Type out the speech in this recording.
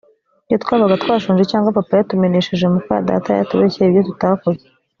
iyo twabaga twashonje cyangwa papa yatumeneshe mukadata yatubeshyeye ibyo tutakoze